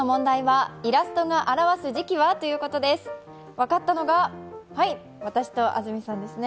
分かったのがはい、私と安住さんですね。